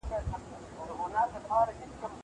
زه بايد لوبه وکړم.